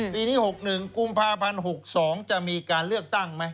ปีนี้๖๑กุมภาพันธ์๖๒จะมีการเลือกตั้งไหม